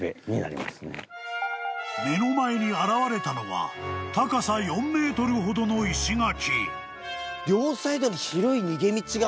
［目の前に現れたのは高さ４ｍほどの石垣］